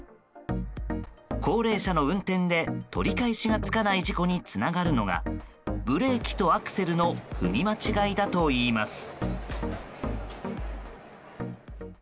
高齢者の運転で取り返しがつかない事故につながるのがブレーキとアクセルの踏み間違いだといいます。